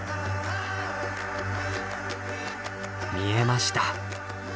見えました。